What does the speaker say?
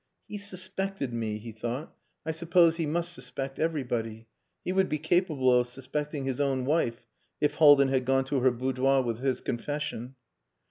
"He suspected me," he thought. "I suppose he must suspect everybody. He would be capable of suspecting his own wife, if Haldin had gone to her boudoir with his confession."